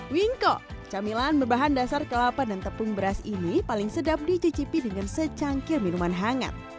wingko camilan berbahan dasar kelapa dan tepung beras ini paling sedap dicicipi dengan secangkir minuman hangat